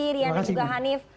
terima kasih rian dan juga hanif